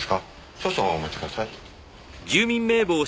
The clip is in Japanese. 少々お待ちください。